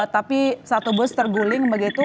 tapi satu bus terguling begitu